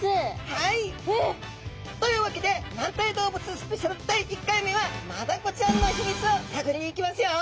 はい！というわけで軟体動物スペシャル第１回目はマダコちゃんのひみつを探りに行きますよ！